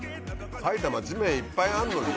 埼玉地面いっぱいあるのに？